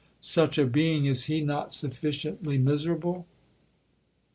Such a being, is he not sufficiently miserable?'